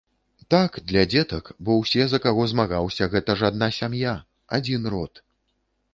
Так, для дзетак, бо ўсе, за каго змагаўся, гэта ж адна сям'я, адзін род.